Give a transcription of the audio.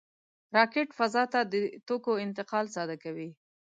راکټ فضا ته د توکو انتقال ساده کوي